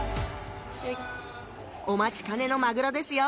お待ちかねのマグロですよ